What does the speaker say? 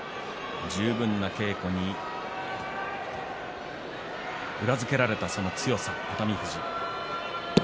十分な稽古に裏付けられたその強さ、熱海富士。